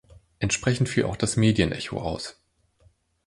Entsprechend fiel auch das Medienecho aus.